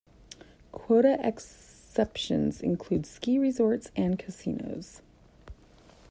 Quota exceptions include ski resorts and casinos.